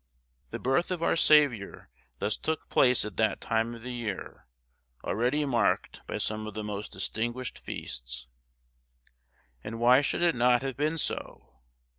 The birth of our Saviour thus took place at that time of the year, already marked by some of the most distinguished feasts. And why should it not have been so?